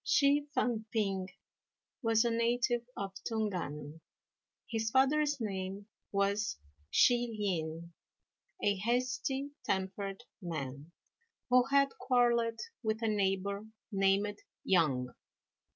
Hsi Fang p'ing was a native of Tung an. His father's name was Hsi Lien a hasty tempered man, who had quarrelled with a neighbour named Yang.